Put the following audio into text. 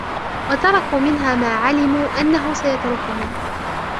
وَتَرَكُوا مِنْهَا مَا عَلِمُوا أَنَّهُ سَيَتْرُكُهُمْ